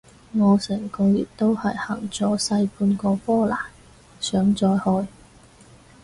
我成個月都係行咗細半個波蘭，想再去